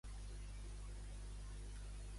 En què ha posat l'accent The Independent?